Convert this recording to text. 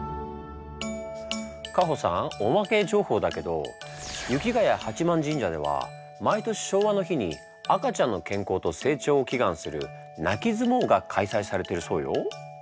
カホさんおまけ情報だけど雪ヶ谷八幡神社では毎年昭和の日に赤ちゃんの健康と成長を祈願する「泣き相撲」が開催されてるそうよ。